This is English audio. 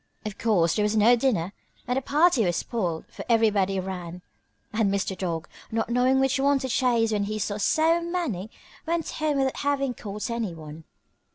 Of course there was no dinner and the party was spoiled, for everybody ran, and Mr. Dog, not knowing which one to chase when he saw so many, went home without having caught anyone.